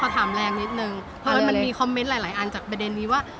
ถามแรงนิดนึงเพราะมันมีคอมเมนต์หลายอันจากประเด็นนี้ว่า